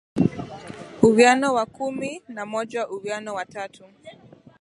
uwiano wa kumi na moja uwiano wa tatu